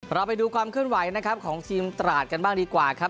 เราไปดูความเคลื่อนไหวนะครับของทีมตราดกันบ้างดีกว่าครับ